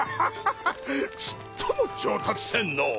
ちっとも上達せんのう。